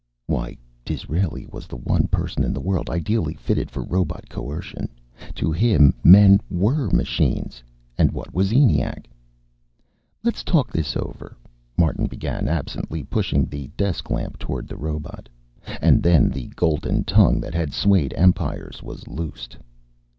Why, Disraeli was the one person in the world ideally fitted for robot coercion. To him, men were machines and what was ENIAC? "Let's talk this over " Martin began, absently pushing the desk lamp toward the robot. And then the golden tongue that had swayed empires was loosed....